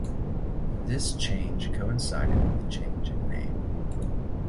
This change coincided with the change in name.